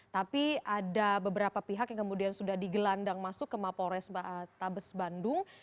tapi ada beberapa pihak yang kemudian sudah digelandang masuk ke mapores tabes bandung